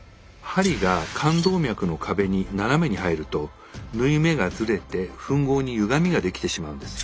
針が冠動脈の壁に斜めに入ると縫い目がずれて吻合にゆがみができてしまうんです。